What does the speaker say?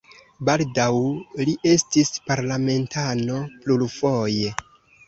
Baldaŭ li estis parlamentano plurfoje.